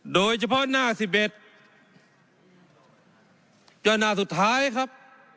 โดยเฉพาะหน้า๑๑และสุดท้ายครับ